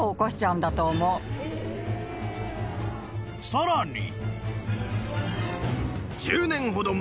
［さらに］